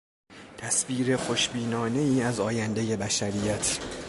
تصویر خوشبینانهای از آیندهی بشریت